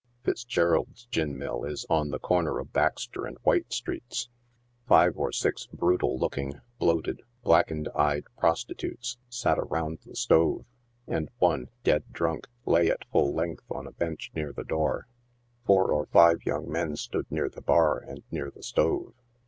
Fitzgerald's gin mill is on the corner of Baxter and White streets. Five or six brutal looking, bloated, blackened eyed prostitutes sat around the stove ; and one, dead drunk, lay at full length on a bench near the door. Four or five young men stood near the bar and near the stove.